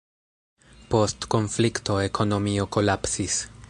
Post konflikto ekonomio kolapsis.